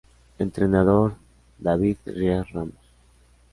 Entrenador: David Díaz Ramos